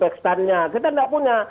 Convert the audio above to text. kita tidak punya